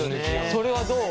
それはどう？